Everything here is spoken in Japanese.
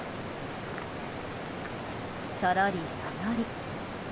そろりそろり。